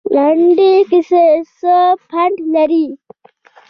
لنډې کیسې څه پند لري؟